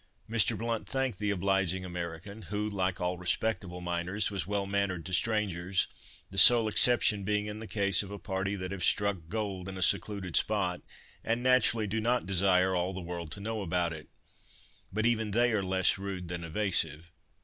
Mr. Blount thanked the obliging American, who, like all respectable miners, was well mannered to strangers, the sole exception being in the case of a party that have "struck gold" in a secluded spot, and naturally do not desire all the world to know about it. But even they are less rude than evasive.